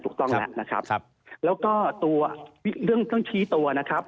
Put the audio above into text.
ถูกต้องแล้วนะครับแล้วก็ตัวเรื่องชี้ตัวนะครับ